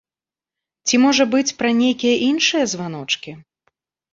Ці, можа быць, пра нейкія іншыя званочкі?